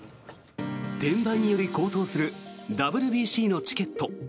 転売により高騰するＷＢＣのチケット。